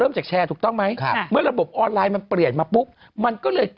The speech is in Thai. อึกอึกอึกอึกอึกอึกอึกอึกอึก